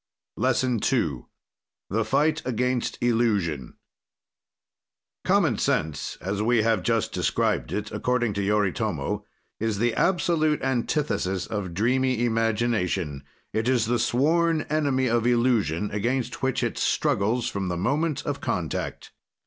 LESSON II THE FIGHT AGAINST ILLUSION Common Sense such as we have just described it, according to Yoritomo, is the absolute antithesis of dreamy imagination, it is the sworn enemy of illusion, against which it struggles from the moment of contact.